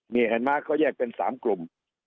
นี่เห็นมั้ยก็แยกเป็น๓กลุ่ม